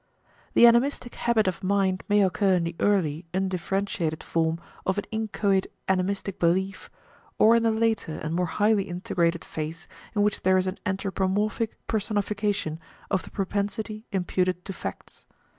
The animistic habit of mind may occur in the early, undifferentiated form of an inchoate animistic belief, or in the later and more highly integrated phase in which there is an anthropomorphic personification of the propensity imputed to facts.